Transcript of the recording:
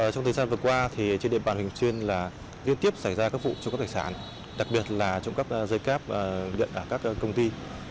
trong thời gian vừa qua trên địa bàn huyện bình xuyên liên tiếp xảy ra các vụ trộm cắp tài sản đặc biệt là trộm cắp dây cắp điện ở các công ty